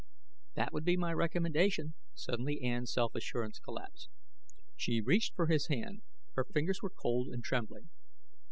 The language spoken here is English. "That would be my recommendation." Suddenly Ann's self assurance collapsed. She reached for his hand; her fingers were cold and trembling.